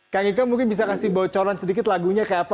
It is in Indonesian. kang ika mungkin bisa kasih bocoran sedikit lagunya kayak apa